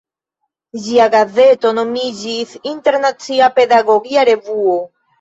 Ĝia gazeto nomiĝis "Internacia Pedagogia Revuo.